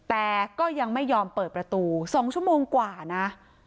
แต่ก็ยังไม่ยอมเปิดประตู๒ชั่วโมงกว่านะ